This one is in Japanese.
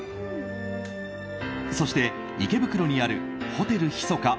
そして、池袋にあるホテルヒソカ